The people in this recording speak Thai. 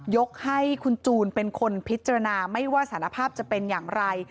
ยกให้คุณจูนเป็นคนพิจารณาไม่ว่าสารภาพจะเป็นอย่างไร